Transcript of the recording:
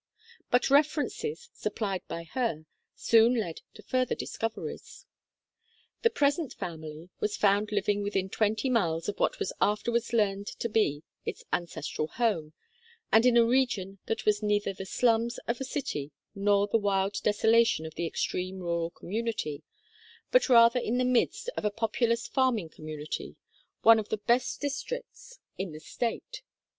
But references, supplied by her, soon led to further discoveries. The present family was found living within twenty miles of what was afterwards learned to be its ancestral home and in a region that was neither the slums of a city nor the wild desolation of the extreme rural community, but rather in the midst of a populous farming country, one of the best districts in 16 THE KALLIKAK FAMILY the State.